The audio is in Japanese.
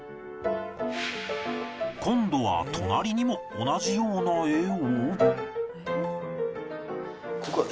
今度は隣にも同じような絵を